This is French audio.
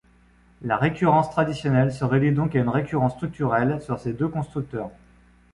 La récurrence traditionnelle se réduit donc à une récurrence structurelle sur ces deux constructeurs.